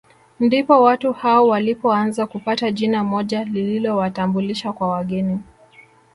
Ndipo watu hao walipoanza kupata jina moja lililowatambulisha kwa wageni